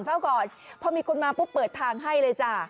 พอมีคนมาปุ๊บเปิดทางให้เลยจ๊ะ